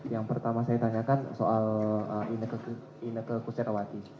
yang pertama saya tanyakan soal ineke kuscarawati